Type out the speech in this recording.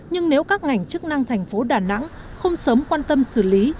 nhưng nếu các ngành chức năng thành phố đà nẵng không sớm quan tâm xử lý